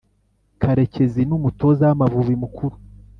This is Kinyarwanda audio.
Kerekezi numutoza w’amavubi mukuru